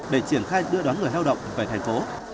để triển khai đưa đón người lao động về thành phố